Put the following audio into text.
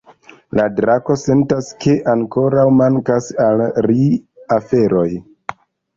La drako sentas, ke ankoraŭ mankas al ri aferoj.